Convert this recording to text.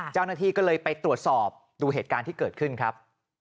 เจ้าหน้าที่ก็เลยไปตรวจสอบดูเหตุการณ์ที่เกิดขึ้นครับ